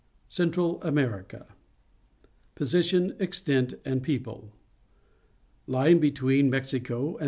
CENTRAL AMERICA Position, Extent, and People. — Lying be tween Mexico and